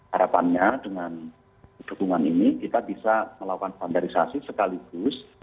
harapannya dengan dukungan ini kita bisa melakukan standarisasi sekaligus